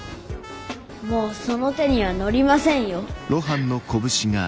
もうその手にはのりませんよ。